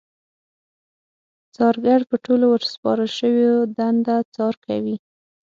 څارګر په ټولو ورسپارل شويو دنده څار کوي.